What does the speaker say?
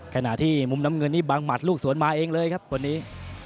ขณะที่มุมน้ำเงินนี่บังหมัดลูกสวนมาเองเลยครับวันนี้